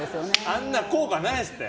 あんなの効果ないですって。